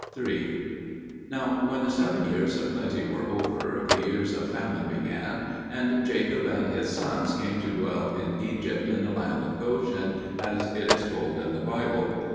III Now when the seven years of plenty were over, the years of famine began, and Jacob and his sons came to dwell in Egypt in the land of Goshen, as it is told in the Bible.